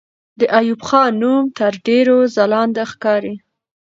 د ایوب خان نوم تر ډېرو ځلانده ښکاري.